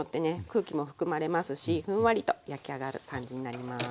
空気も含まれますしふんわりと焼き上がる感じになります。